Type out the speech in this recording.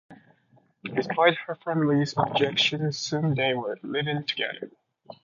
Despite her family's objections, soon they were living together.